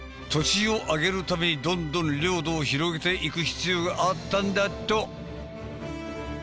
土地をあげるためにどんどん領土を広げていく必要があったんだと。